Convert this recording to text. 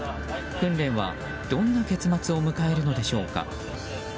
訓練はどんな結末を迎えるのでしょうか。